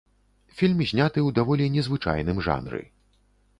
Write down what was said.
Фільм зняты ў даволі незвычайным жанры.